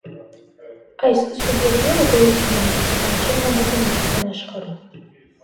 Այս սուբյեկտները գոյություն ունեն, սակայն չեն հանդիպում իրական աշխարհում։